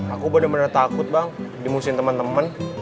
aku bener bener takut bang dimusikin temen temen